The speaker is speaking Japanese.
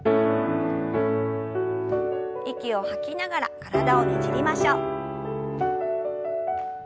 息を吐きながら体をねじりましょう。